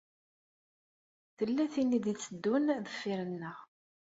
Tella tin i d-iteddun deffir-nneɣ.